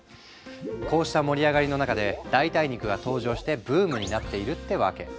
こうした盛り上がりの中で代替肉が登場してブームになっているってわけ。